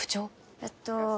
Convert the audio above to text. えっと。